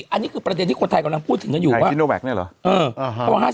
อันนี้คือประเด็นที่คนไทยกำลังพูดถึงแล้วอยู่ว่าไทยคิโนแวคเนี่ยเหรอ